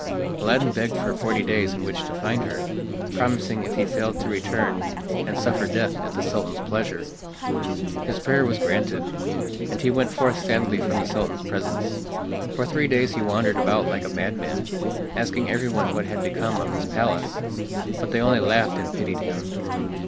Aladdin begged for forty days in which to find her, promising if he failed to return and suffer death at the Sultan's pleasure. His prayer was granted, and he went forth sadly from the Sultan's presence. For three days he wandered about like a madman, asking everyone what had become of his palace, but they only laughed and pitied him.